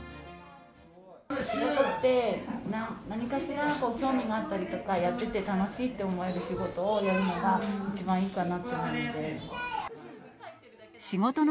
仕事って、何かしら興味があったりとか、やってて楽しいって思える仕事をやるのが一番いいかなと思うので。